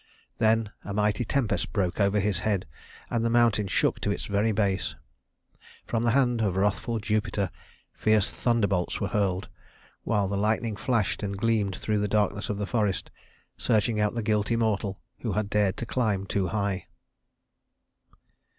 Then a mighty tempest broke over his head, and the mountain shook to its very base. From the hand of wrathful Jupiter fierce thunderbolts were hurled, while the lightning flashed and gleamed through the darkness of the forest, searching out the guilty mortal who had dared to climb too high.